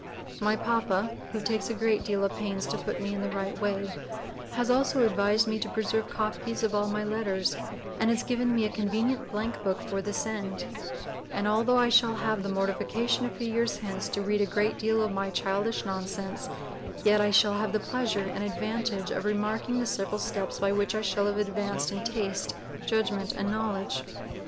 My Pappa, who takes a great deal of pains to put me in the right way, has also advised me to Preserve Copies of all my letters, and has given me a Convenient Blank Book for this end; and altho' I shall have the mortification a few years hence to read a great deal of my Childish nonsense, yet I shall have the Pleasure and advantage of Remarking the several steps by which I shall have advanced in taste, judgment and knowledge.